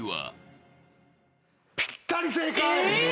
ぴったり正解。